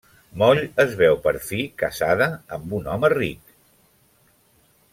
Moll es veu per fi casada amb un home ric.